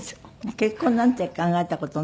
結婚なんて考えた事ない？